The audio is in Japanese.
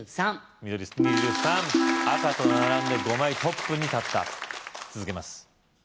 緑２３赤と並んで５枚トップに立った続けます